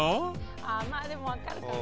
あっまあでもわかるかな。